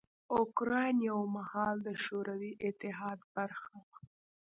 اوکراین یو مهال د شوروي اتحاد برخه وه.